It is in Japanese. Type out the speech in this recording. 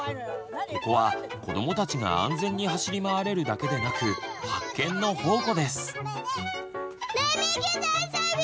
ここは子どもたちが安全に走り回れるだけでなく発見の宝庫です。